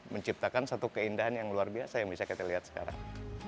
menciptakan satu keindahan yang luar biasa yang bisa kita lihat sekarang